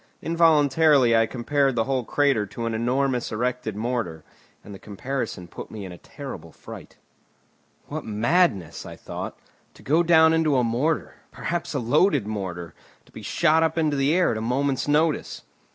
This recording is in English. Involuntarily I compared the whole crater to an enormous erected mortar, and the comparison put me in a terrible fright. "What madness," I thought, "to go down into a mortar, perhaps a loaded mortar, to be shot up into the air at a moment's notice!"